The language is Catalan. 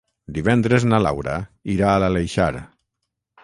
Divendres na Laura irà a l'Aleixar.